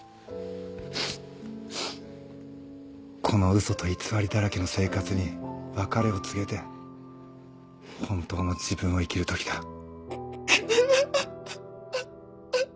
この嘘と偽りだらけの生活に別れを告げて本当の自分を生きるときだ。